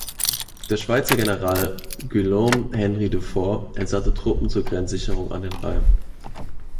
Der Schweizer General Guillaume-Henri Dufour entsandte Truppen zur Grenzsicherung an den Rhein.